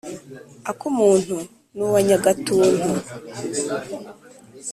akumuntu ni uwa nyagatuntu.